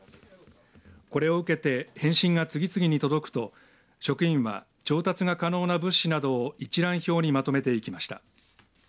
これを受けて返信が次々に届くと職員は、調達が可能な物資などを一覧表にまとめていきました。